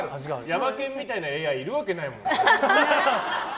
ヤマケンみたいなＡＩいるわけないもんね。